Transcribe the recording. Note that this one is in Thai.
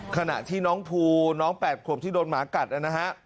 ขณะที่น้องภูน้อง๘ขวบที่โดนหมากัดนะฮะ